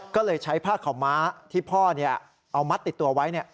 ก็เลยใช้ผ้าขาวม้าที่พ่อเอามัดติดตัวไว้